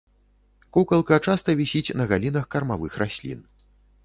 Кукалка часта вісіць на галінах кармавых раслін.